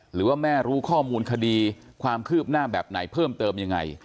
หรือว่าแม่รู้ข้อมูลคดีความคืบหน้าแบบไหนเพิ่มเติมยังไง